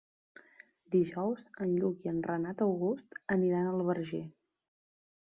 Dijous en Lluc i en Renat August aniran al Verger.